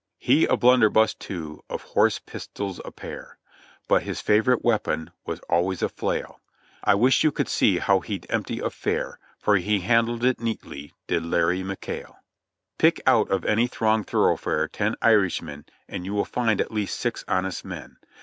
"He'd a blunderbuss too, of horse pistols a pair, But his favorite weapon was always a flail. I wish you could see how he'd empty a fair, For he handled it neatly, did Larr>' McHale." Pick out of any thronged thoroughfare ten Irishmen, and you will find at least six honest men.